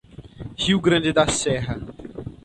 Rio Grande da Serra